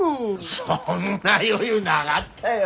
そんな余裕ながったよ。